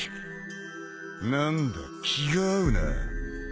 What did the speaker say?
何だ気が合うな。